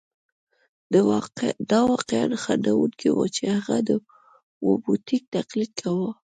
دا واقعاً خندوونکې وه چې هغه د موبوتیک تقلید کاوه.